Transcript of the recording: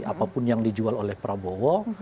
apapun yang dijual oleh prabowo